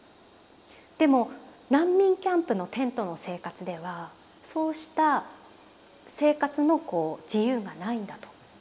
でも難民キャンプのテントの生活ではそうした生活の自由がないんだと。